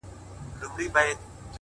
• زه د یویشتم قرن ښکلا ته مخامخ یم ـ